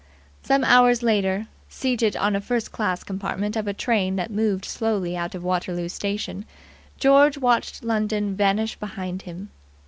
Some hours later, seated in a first class compartment of a train that moved slowly out of Waterloo Station, George watched London vanish behind him.